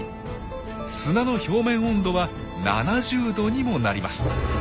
砂の表面温度は７０℃にもなります。